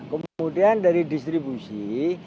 kemudian dari distribusi